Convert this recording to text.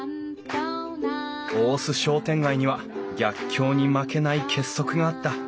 大須商店街には逆境に負けない結束があった。